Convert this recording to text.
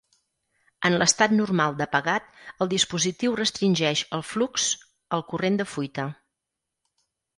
En l'estat normal d'apagat, el dispositiu restringeix el flux el corrent de fuita.